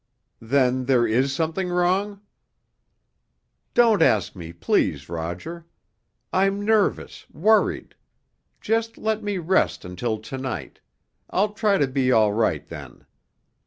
"Then there is something wrong?" "Don't ask me, please, Roger. I'm nervous, worried. Just let me rest until to night—I'll try to be all right then.